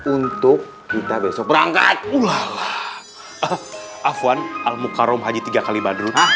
untuk kita besok berangkat ulah ah ah ah fon almukharom haji tiga kali badrut